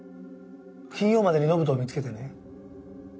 金曜までに延人を見つけてね。